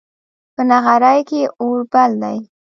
په نغري کې اور بل دی